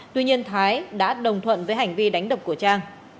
tuy nhiên thái đã đồng thuận với hành vi đánh đập của trang